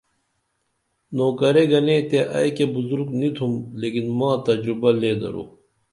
نوکرے گنے تے ائی کیہ بزرگ نی تُھوم لیکن ما تجربہ لے درو